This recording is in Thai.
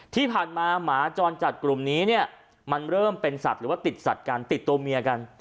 ที่ผ่านมาหมาจรจัดกลุ่มนี้เนี่ยมันเริ่มเป็นสัตว์หรือว่าติดสัตว์กันติดตัวเมียกัน